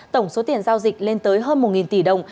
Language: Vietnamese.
tổng số tiền giao dịch lên tới hơn một tỷ đồng